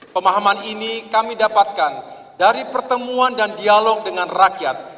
pemahaman ini kami dapatkan dari pertemuan dan dialog dengan rakyat